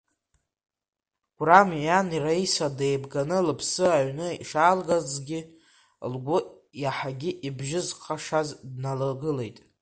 Гәрам иан Раиса деибганы лыԥсы аҩны ишаалгазгьы, лгәы иаҳагьы ибжьызхшаз дналагылеит.